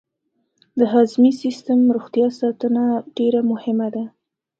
د هضمي سیستم روغتیا ساتنه ډېره مهمه ده.